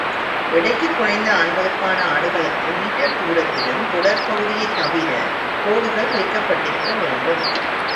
எடைக்குக் குறைந்த ஆண்களுக்கான ஆடுகளத்தில் மீட்டர் தூரத்திலும், தொடர்ப் பகுதியைத் தவிர, கோடுகள் கிழிக்கப்பட்டிருக்க வேண்டும்.